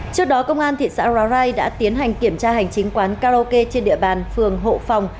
trước đó công an thị xã rai đã tiến hành kiểm tra hành chính quán karaoke trên địa bàn phường hộ phòng